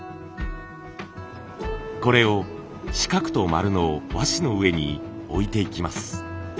これを四角と丸の和紙の上に置いていきます。